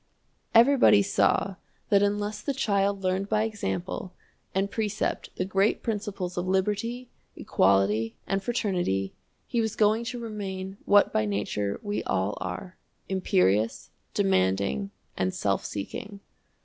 Everybody saw that unless the child learned by example and precept the great principles of liberty, equality, and fraternity, he was going to remain what by nature we all are, imperious, demanding, and self seeking.